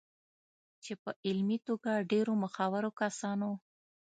چې په علمي توګه ډېرو مخورو کسانو